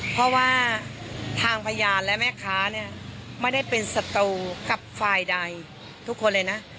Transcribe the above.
เพราะว่าทางพยานและแม่ค้าเนี่ยไม่ได้เป็นศัตรูกับฝ่ายใดทุกคนเลยนะ